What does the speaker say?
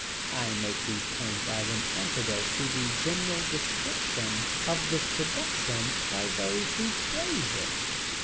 I make these points as an antidote to the general description of this production by those who praise it.